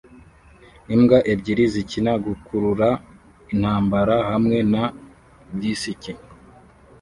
Imbwa ebyiri zikina gukurura-intambara hamwe na disiki